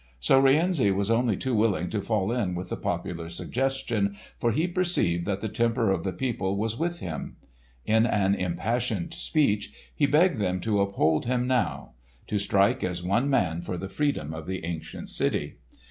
So Rienzi was only too willing to fall in with the popular suggestion, for he perceived that the temper of the people was with him. In an impassioned speech he begged them to uphold him now; to strike as one man for the freedom of the ancient city.